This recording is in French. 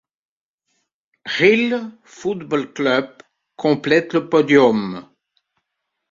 Rhyl Football Club complète le podium.